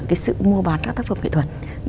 cái sự mua bán các tác phẩm nghệ thuật